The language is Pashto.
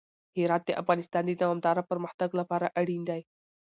هرات د افغانستان د دوامداره پرمختګ لپاره اړین دی.